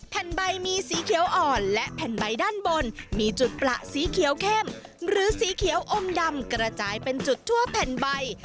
แผ่นใบมีสีเขียวอ่อนและแผ่นใบด้านบนมีจุดประสีเขียวเข้มหรือสีเขียวอมดำกระจายเป็นจุดทั่วแผ่นใบ